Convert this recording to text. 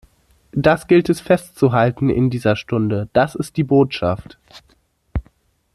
Das gilt es festzuhalten in dieser Stunde. Das ist die Botschaft!